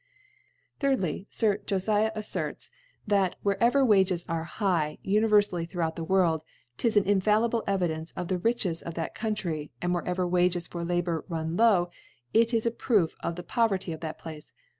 (idfyj Sir Jqfiab aflTcrts, * That wherever • Wages are high univerlally throughout • the World, 'tis an infallible Evidence of ^ the Riches of that Country •, and wherc * evex ( 90 • ever Wages for Labour run low, it is a • Proof of the Poverty of that Place.'